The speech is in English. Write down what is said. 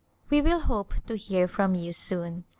We will hope to hear from you soon.